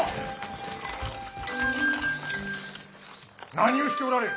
何をしておられる？